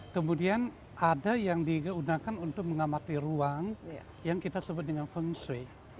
kemudian ada yang digunakan untuk mengamati ruang yang kita sebut dengan feng shui